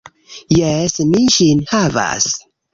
Jes, mi ĝin havas.